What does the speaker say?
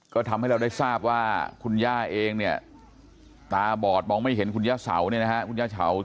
ก็ทำให้เราได้ทราบว่าคุณย่าเองเนี่ยตาบอดมองไม่เห็นคุณย่าเสาเนี่ยนะฮะคุณย่าเสา